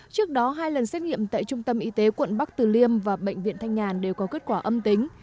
trước đó hai lần xét nghiệm tại trung tâm y tế quận bắc từ liêm và bệnh viện thanh nhàn đều có kết quả âm tính